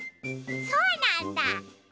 そうなんだ！